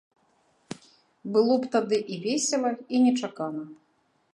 Было б тады і весела, і нечакана.